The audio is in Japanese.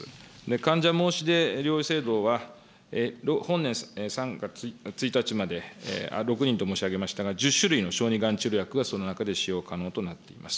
患者申出療養制度は、本年３月１日まで６人と申し上げましたが、１０種類の小児がん治療薬がその中で使用可能となっております。